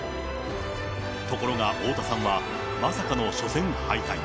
ところが、太田さんはまさかの初戦敗退。